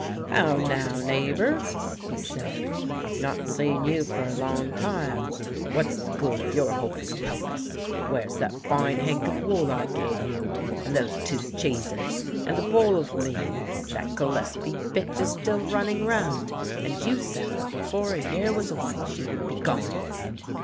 "How now, neighbour," he said, "I have not seen you for a long time, but what's the good of your hocus pocus? Where's that fine hank of wool I gave you, and those two cheeses and the boll of meal? That Gillespie bitch is still running round; and you said that before a year was away she would be gone.